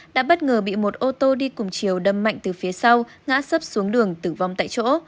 đã bất ngờ bị một ô tô đi cùng chiều đâm mạnh từ phía sau ngã sấp xuống đường tử vong tại chỗ